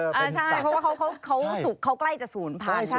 ใช่เพราะเขากล้ายจะ๐๐๐๐สัตว์